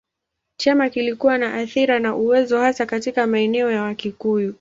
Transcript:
Chama kilikuwa na athira na uwezo hasa katika maeneo ya Wakikuyu.